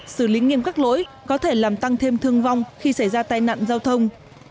xử lý nghiêm các lỗi có thể làm tăng thêm thương vong khi xảy ra tai nạn giao thông